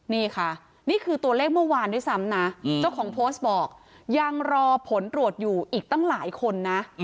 นี่ค่ะนี่คือตัวเลขเมื่อวานด้วยซ้ำนะเจ้าของโพสต์บอกยังรอผลตรวจอยู่อีกตั้งหลายคนนะ